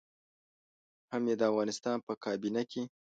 هم يې د افغانستان په کابينه کې.